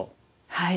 はい。